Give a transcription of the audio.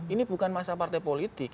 ini bukan masa partai politik